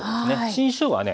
新しょうがはね